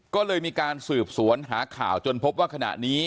ก็เลยมีการสืบสวนหาข่าวจนพบว่าขณะนี้